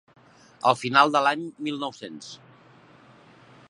Al final de l'any mil nou-cents.